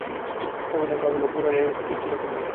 অবিনাশ ভাবিল, বুড়ার এ কী রকম জেদ।